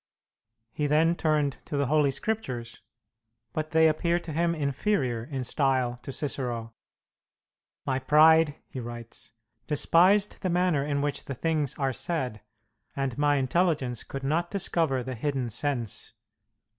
He then turned to the Holy Scriptures, but they appeared to him inferior in style to Cicero. "My pride," he writes, "despised the manner in which the things are said, and my intelligence could not discover the hidden sense.